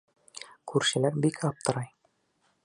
Күршеләр бик аптырай.